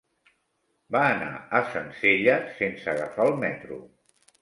Va anar a Sencelles sense agafar el metro.